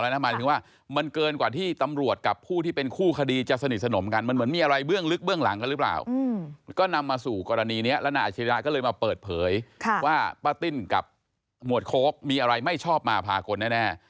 นายอาจิริยะก็เลยมาเปิดเผยว่าปะติ้นกับหมวดโค้กมีอะไรไม่ชอบมาพากลแน่